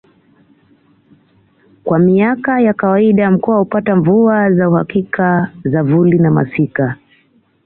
Kwa miaka ya kawaida mkoa hupata mvua za uhakika za vuli na masika